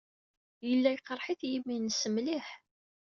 Yella yeqreḥ-it yimi-nnes mliḥ.